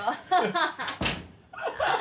ハハハハッ！